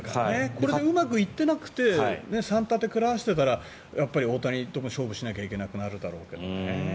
これでうまくいっていなくて３タテ食らわせていたらやっぱり大谷とも勝負しなければいけなくなるだろうね。